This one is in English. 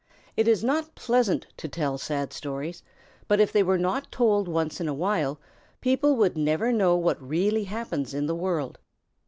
It is not pleasant to tell sad stories, but if they were not told once in a while, people would never know what really happens in the world.